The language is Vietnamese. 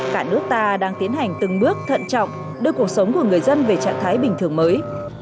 cả nước ta đang tiến hành từng bước thận trọng đưa cuộc sống của người dân về trạng thái bình thường mới